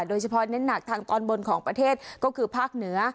เน้นหนักทางตอนบนของประเทศก็คือภาคเหนือ